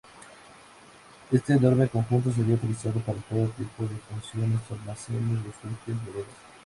Este enorme conjunto sería utilizado para todo tipo de funciones, almacenes, refugios, bodegas.